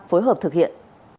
phối hợp thực hiện